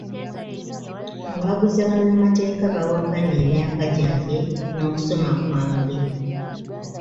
Abaguze bannamateeka bawakanye emyaka gyange n'okusoma kwange.